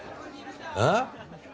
えっ？